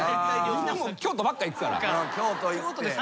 みんな京都ばっか行くから。